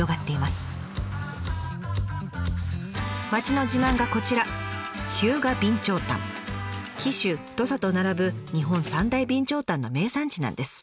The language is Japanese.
町の自慢がこちら紀州土佐と並ぶ日本三大備長炭の名産地なんです。